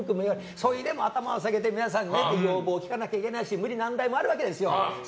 その中で皆さんに頭を下げて皆さんの要望を聞かなきゃいけないし無理難題もあるわけです。